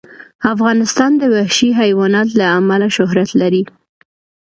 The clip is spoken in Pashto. افغانستان د وحشي حیوانات له امله شهرت لري.